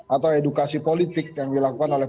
atau edukasi politik yang dilakukan oleh